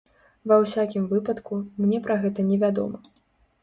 Ва ўсякім выпадку, мне пра гэта невядома.